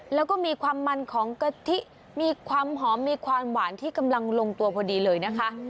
แล้วก็มีความมันของกะทิมีความหอมมีความหวานที่กำลังลงตัวพอดีเลยนะคะ